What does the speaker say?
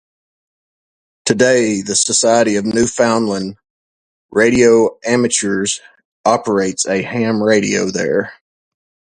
Today, the Society of Newfoundland Radio Amateurs operates a ham radio there.